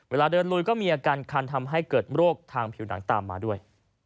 เวลาเดินลุยก็มีอาการคันทำให้เกิดโรคทางผิวหนังตามมาด้วย